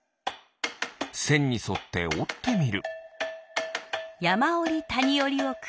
せんにそっておってみる。